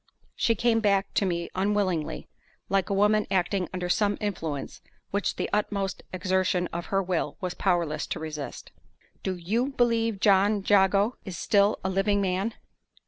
She came back to me unwillingly, like a woman acting under some influence which the utmost exertion of her will was powerless to resist. "Do you believe John Jago is still a living man?"